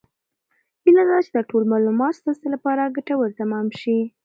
هیله ده چې دا ټول معلومات ستاسو لپاره ګټور تمام شي.